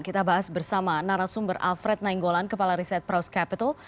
kita bahas bersama narasumber alfred nainggolan kepala riset proust capital